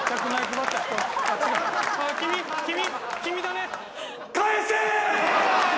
君君君だね！